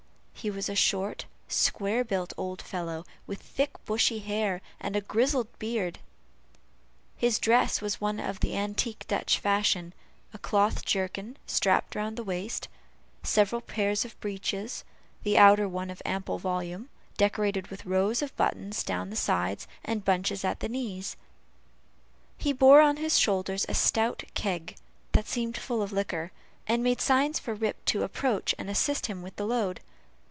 He was a short, square built old fellow, with thick bushy hair, and a grizzled beard. His dress was of the antique Dutch fashion a cloth jerkin strapped round the waist several pairs of breeches, the outer one of ample volume, decorated with rows of buttons down the sides, and bunches at the knees. He bore on his shoulders a stout keg, that seemed full of liquor, and made signs for Rip to approach and assist him with the load.